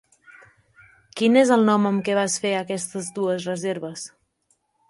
Quin és el nom amb què vas fer aquestes dues reserves?